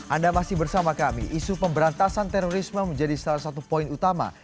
anda masih bersama kami isu pemberantasan terorisme menjadi salah satu poin utama